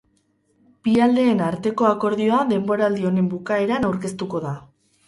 Bi aldeen arteko akordioa denboraldi honen bukaeran aurkeztuko da.